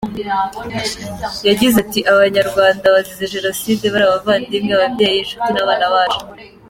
Yagize ati “Abanyarwanda bazize Jenoside bari abavandimwe, ababyeyi, inshuti n’abana bacu.